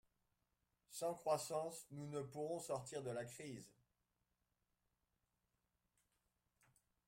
Sans croissance, nous ne pourrons sortir de la crise.